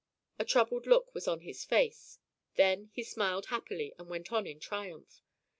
A troubled look was on his face. Then he smiled happily, and went on in triumph.